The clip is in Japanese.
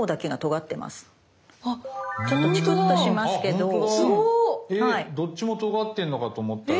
どっちもとがってんのかと思ったら。